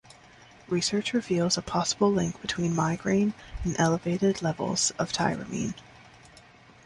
Research reveals a possible link between migraine and elevated levels of tyramine.